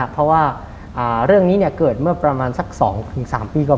เพราะว่าเรื่องนี้เกิดเมื่อประมาณสัก๒๓ปีก่อน